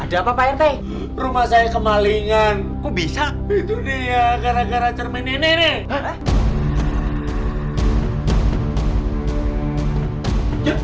dia apa pak rt rumah saya kemalingan kok bisa itu dia gara gara cermin nenek nih